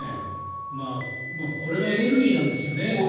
これがエネルギーなんですよね。